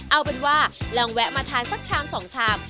เอาเป็นว่าลองแวะมาทานสักชาม๒ชาม